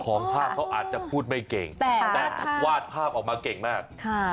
ของภาพเขาอาจจะพูดไม่เก่งแต่วาดภาพออกมาเก่งมาก